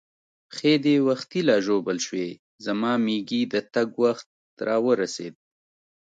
پښې دې وختي لا ژوبل شوې، زما مېږي د تګ وخت را ورسېد.